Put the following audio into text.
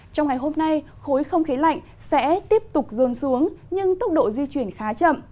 trong ngày hôm nay khối không khí lạnh sẽ tiếp tục rồn xuống nhưng tốc độ di chuyển khá chậm